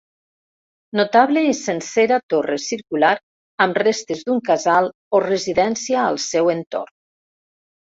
Notable i sencera torre circular, amb restes d'un casal o residència al seu entorn.